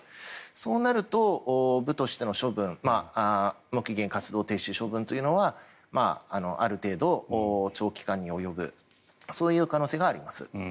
そうなると部としての処分無期限活動停止処分というのはある程度、長期間に及ぶそういう可能性があります。